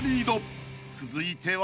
［続いては］